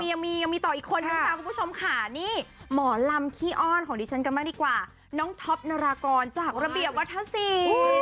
เดี๋ยวก็ยังมีต่ออีกคนทั้งสามผู้ชมค่ะนี่หมอล้ำขี่อ้อนของดิฉันกันมากดีกว่าน้องท็อบนรากรจากระเบียบวัฒศาสตร์